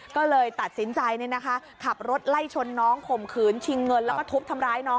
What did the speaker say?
ก็เลยตัดสินใจขับรถไล่ชนน้องข่มขืนชิงเงินแล้วก็ทุบทำร้ายน้อง